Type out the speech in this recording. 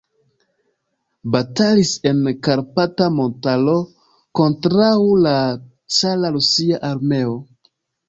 Batalis en Karpata montaro kontraŭ la cara rusia armeo.